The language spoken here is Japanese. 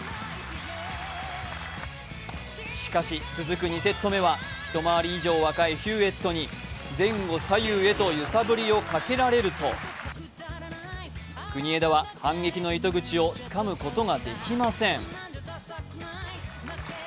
しかし、続く２セット目は一回り以上若いヒューエットに前後左右へと揺さぶりをかけられると国枝は反撃の糸口をつかむことができません。